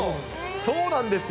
そうなんですよ。